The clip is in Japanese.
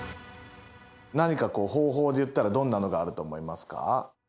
何かこう方法でいったらどんなのがあると思いますか？